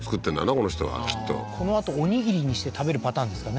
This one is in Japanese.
この人はきっとこのあとおにぎりにして食べるパターンですかね